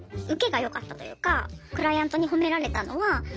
ウケがよかったというかクライアントに褒められたのは。